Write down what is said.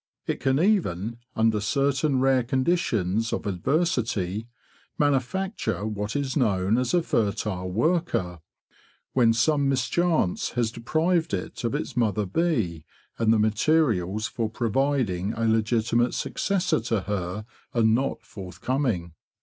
It can even, under certain rare conditions of adversity, manufacture what is known as a fertile worker, when some mischance has deprived it of its mother bee and the materials for providing a legitimate successor to her are not forthcoming.